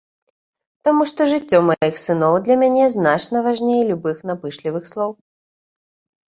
Таму што жыццё маіх сыноў для мяне значна важней любых напышлівых слоў.